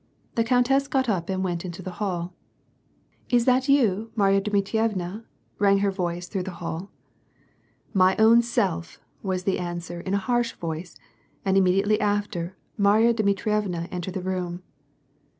The countess got up and went into the hall. " Is that you, Marya Dmitrievna ?" rang her voice through the hall. " My own self," was the answer in a harsh voice, and imme diately after, Marya Dmitrievna entered the room.